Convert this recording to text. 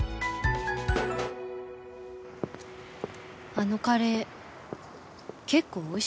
あのカレー結構おいしかったな